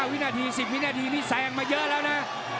วินาที๑๐วินาทีนี่แซงมาเยอะแล้วนะ